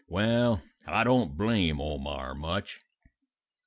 Well, I don't blame Omar much.